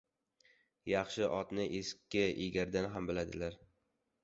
• Yaxshi otni eski egardan ham biladilar.